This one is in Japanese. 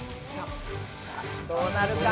さあどうなるか！